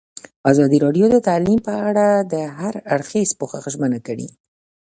ازادي راډیو د تعلیم په اړه د هر اړخیز پوښښ ژمنه کړې.